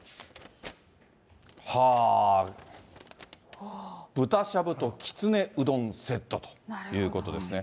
はあー、豚しゃぶときつねうどんセットということですね。